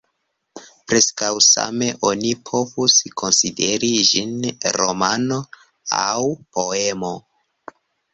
Preskaŭ same oni povus konsideri ĝin romano aŭ poemo.